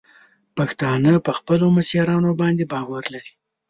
پښتانه په خپلو مشرانو باندې باور لري.